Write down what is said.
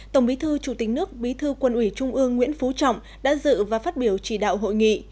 tổng bí thư chủ tịch nước bí thư quân ủy trung ương nguyễn phú trọng đã dự và phát biểu chỉ đạo hội nghị